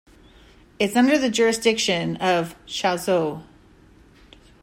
It is under the jurisdiction of Chaozhou.